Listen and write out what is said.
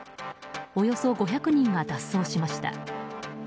およそ５００人が脱走しました。